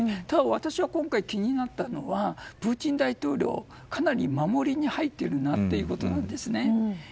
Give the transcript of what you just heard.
私は今回気になったのはプーチン大統領はかなり守りに入っているなということです。